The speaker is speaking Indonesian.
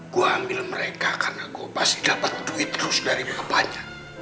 gue ambil mereka karena gue pasti dapat duit terus dari bapaknya